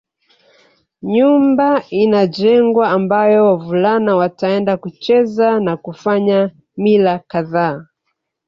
Nyumba inajengwa ambayo wavulana wataenda kucheza na kufanya mila kadhaa